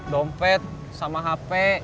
dompet sama hp